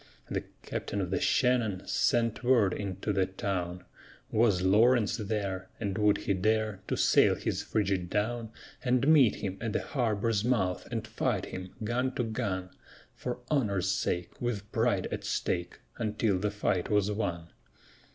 The captain of the Shannon sent word into the town: Was Lawrence there, and would he dare to sail his frigate down And meet him at the harbor's mouth and fight him, gun to gun, For honor's sake, with pride at stake, until the fight was won?